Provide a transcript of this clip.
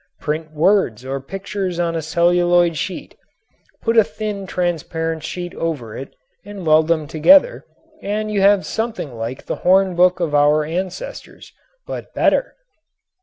Print words or pictures on a celluloid sheet, put a thin transparent sheet over it and weld them together, then you have something like the horn book of our ancestors, but better.